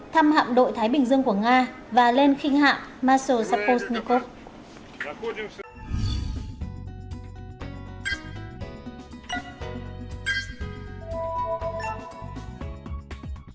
thăm hạm đội thái bình dương của nga và lên khinh hạm maso saposnikov